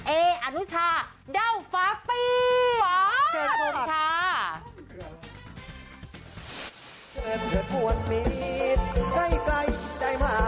เออนุชาเด้าฟ้าปีฟ้า